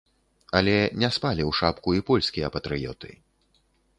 Але не спалі ў шапку і польскія патрыёты.